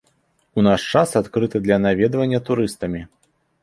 У наш час адкрыты для наведвання турыстамі.